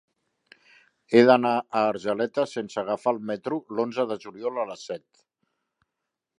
He d'anar a Argeleta sense agafar el metro l'onze de juliol a les set.